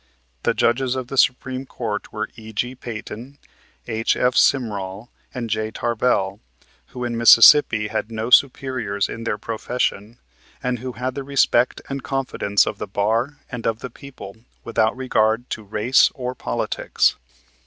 The Judges of the Supreme Court were E.G. Peyton, H.F. Simrall and J. Tarbell, who in Mississippi had no superiors in their profession, and who had the respect and confidence of the bar and of the people without regard to race or politics.